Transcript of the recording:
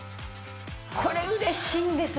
これうれしいんです